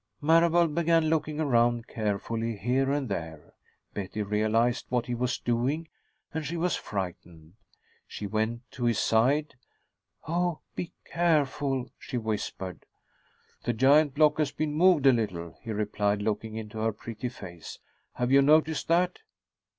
Marable began looking around carefully, here and there. Betty realized what he was doing, and she was frightened. She went to his side. "Oh, be careful," she whispered. "The giant block has been moved a little," he replied, looking into her pretty face. "Have you noticed that?"